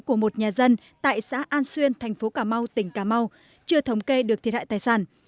của một nhà dân tại xã an xuyên thành phố cà mau tỉnh cà mau chưa thống kê được thiệt hại tài sản